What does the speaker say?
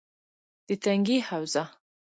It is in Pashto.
- د تنگي حوزه: